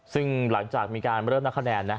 ซึ่งหลังจากมีการเริ่มนับคะแนน